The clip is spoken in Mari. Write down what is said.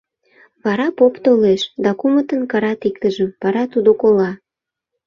Вара поп толеш, да кумытын кырат иктыжым. Вара тудо кола.